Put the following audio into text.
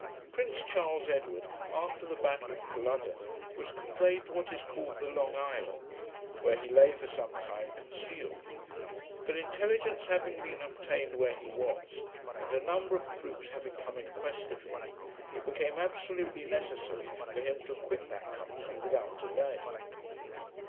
Prince Charles Edward, after the battle of Culloden, was conveyed to what is called the Long Island, where he lay for some time concealed. But intelligence having been obtained where he was, and a number of troops having come in quest of him, it became absolutely necessary for him to quit that country without delay.